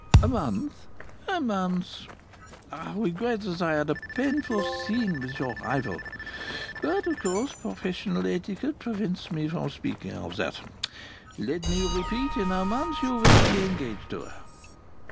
"A month?" "A month. I regret that I had a painful scene with your rival. But of course professional etiquette prevents me from speaking of that. Let me repeat, in a month you will be engaged to her."